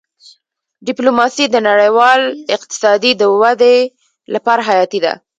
ډيپلوماسي د نړیوال اقتصاد د ودې لپاره حیاتي ده.